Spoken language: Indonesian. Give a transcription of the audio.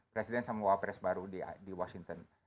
presiden sama wawah pres baru di washington